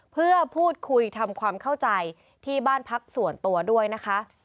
เพื่อพูดคุยทำความเข้าใจที่บ้านพักส่วนตัวด้วยนะคะ